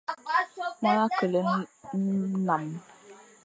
Mone a keghle nnam.